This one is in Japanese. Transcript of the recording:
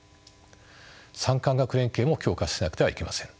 産官学連携も強化しなくてはいけません。